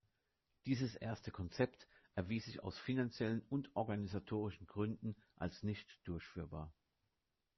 Dieses erste Konzept erwies sich aus finanziellen und organisatorischen Gründen als nicht durchführbar.